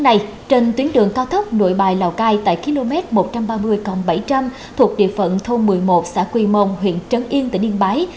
trong lúc này trên tuyến đường cao thấp nội bài lào cai tại km một trăm ba mươi bảy trăm linh thuộc địa phận thôn một mươi một xã quỳ mông huyện trấn yên tỉnh điên bái